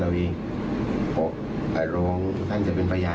และก็ไม่ได้ยัดเยียดให้ทางครูส้มเซ็นสัญญา